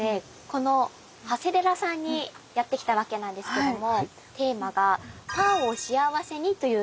この長谷寺さんにやって来たわけなんですけどもテーマが「ファンをしあわせに」というテーマなんですね。